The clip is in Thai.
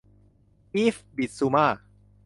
อีฟส์ บิสซูม่า